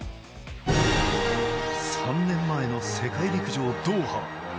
３年前の世界陸上ドーハ。